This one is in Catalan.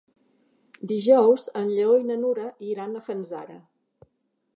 Dijous en Lleó i na Nura iran a Fanzara.